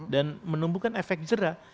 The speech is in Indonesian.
dan menumbuhkan efek jerah